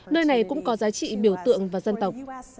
nơi này cũng có giá trị biểu tượng và dân tộc